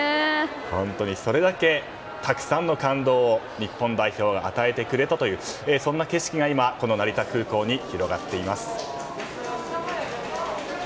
本当に、それだけたくさんの感動を日本代表が与えてくれたという景色が今、この成田空港に広がっています。